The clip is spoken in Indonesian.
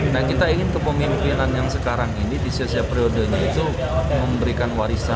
nah kita ingin kepemimpinan yang sekarang ini di selesai periodenya itu memberikan warisan